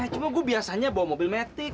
cuma gue biasanya bawa mobil metik